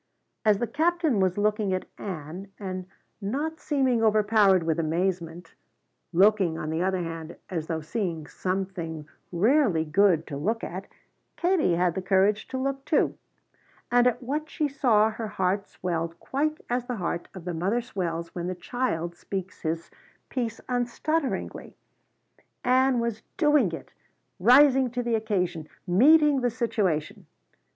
As the Captain was looking at Ann and not seeming overpowered with amazement, looking, on the other hand, as though seeing something rarely good to look at, Katie had the courage to look too. And at what she saw her heart swelled quite as the heart of the mother swells when the child speaks his piece unstutteringly. Ann was doing it! rising to the occasion meeting the situation.